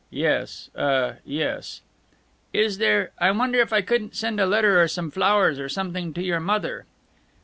"Yes uh Yes." "Is there I wonder if I couldn't send a letter or some flowers or something to your mother?"